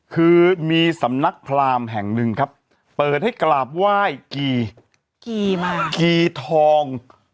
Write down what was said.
คือมีสำนักพรามแห่งหนึ่งครับเปิดให้กราบไหว้กี่ทอง